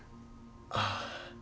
ああ。